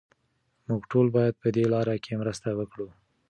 موږ ټول باید پهدې لاره کې مرسته وکړو.